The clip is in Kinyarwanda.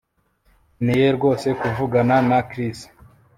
Nkeneye rwose kuvugana na Chris